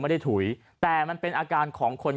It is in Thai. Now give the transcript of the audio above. ไม่ได้ถุยแต่มันเป็นอาการของคน